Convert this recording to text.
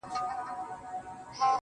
ما خو دا ټوله شپه,